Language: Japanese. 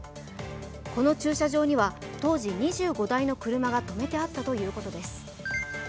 この駐車場には当時２５台の車が止めてあったということです。